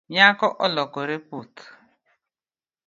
Nyako olokore puth